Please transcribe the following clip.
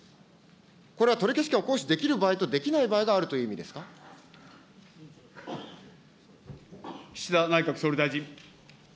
これは取消権を行使できる場合とできない場合があるということで岸田内閣総理大臣。